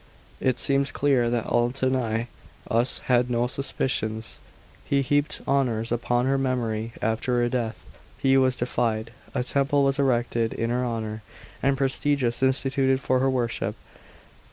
It seems clear that Autonii us had no suspi cions. He heaped honours upon her memory after her death. She was deified; a temple was erected in her honour, and priestesses instituted for her worship.